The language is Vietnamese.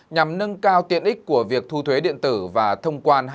nhằm nâng cao tiện ích của việc thu thuế điện tử và thông quan hai mươi bốn bảy